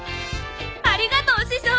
ありがとう師匠！